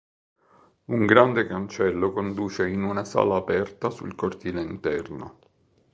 Un grande cancello conduce in una sala aperta sul cortile interno.